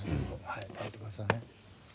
はい食べて下さいね。